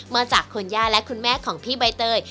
มาจากคุณย่าและคุณแม่ของพี่ใบเตย